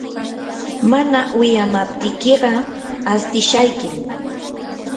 mana wiyamaptiykiqa astishaykim.